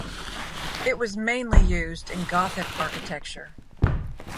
It was mainly used in Gothic architecture.